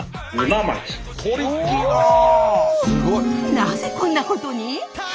なぜこんなことに！？